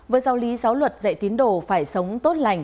với giao lý giáo luật dạy tiến đồ phải sống tốt